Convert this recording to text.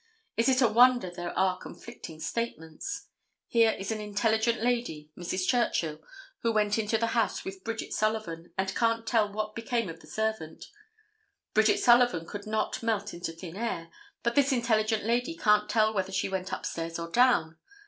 Is it a wonder there are conflicting statements? Here is an intelligent lady, Mrs. Churchill, who went into the house with Bridget Sullivan and can't tell what became of the servant. Bridget Sullivan could not melt into thin air, but this intelligent lady can't tell whether she went upstairs or down.